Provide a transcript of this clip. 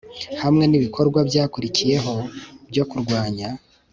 hamwe n ibikorwa byakurikiyeho byo kurwanya